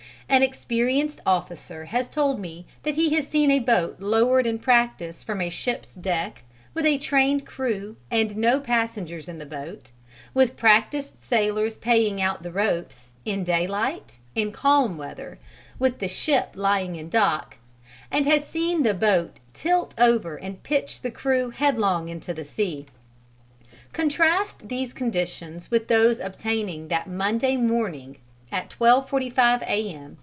An experienced officer has told me that he has seen a boat lowered in practice from a ship's deck, with a trained crew and no passengers in the boat, with practised sailors paying out the ropes, in daylight, in calm weather, with the ship lying in dock and has seen the boat tilt over and pitch the crew headlong into the sea. Contrast these conditions with those obtaining that Monday morning at 12.45 A.M.